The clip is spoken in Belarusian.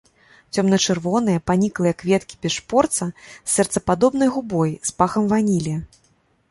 Цёмна-чырвоныя, паніклыя кветкі без шпорца, з сэрцападобнай губой з пахам ванілі.